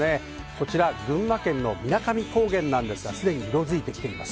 こちら群馬県の水上高原なんですが、すでに色づいてきています。